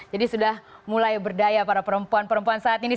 jadi sudah mulai berdaya para perempuan perempuan saat ini